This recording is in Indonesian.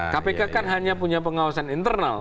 kpk kan hanya punya pengawasan internal